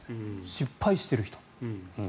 失敗している人。